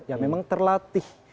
yang memang terlatih